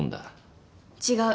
違う。